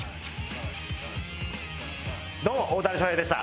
どうも大谷翔平でした。